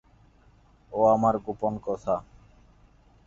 ও আমার গোপন কথা।